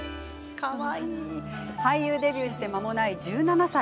俳優デビューしてまもない１７歳。